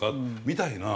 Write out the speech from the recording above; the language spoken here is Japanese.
みたいな。